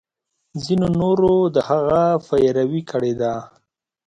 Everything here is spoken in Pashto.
ځینو نورو د هغه پیروي کړې ده.